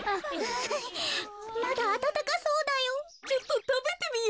まだあたたかそうだよ。